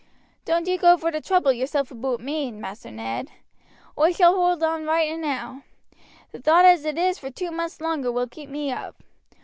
"Doan't you go vor to trouble yourself aboot me, Maister Ned. Oi shall hold on roight enow. The thought as it is for two months longer will keep me up.